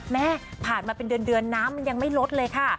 ผ่านมาเป็นเดือนน้ำมันยังไม่ลดเลยค่ะ